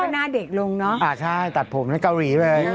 น้องต่อได้โลเลค